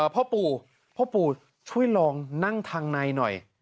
พ่อปู่พ่อปู่ช่วยลองนั่งทางในหน่อย